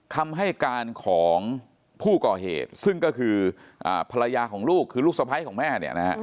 คำให้การของผู้ก่อเหตุซึ่งก็คือภรรยาของลูกคือลูกสะพ้ายของแม่เนี่ยนะฮะ